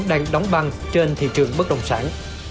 đang đóng băng trên thị trường bất động sản